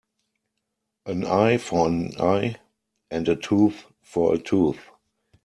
An eye for an eye and a tooth for a tooth.